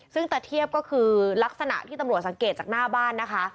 ซึ่งตะเทียบก็คือลักษณะที่ตำรวจสังเกตจากหน้าบ้านนะคะ